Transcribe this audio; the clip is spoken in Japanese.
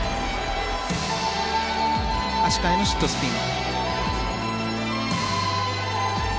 足換えのシットスピン。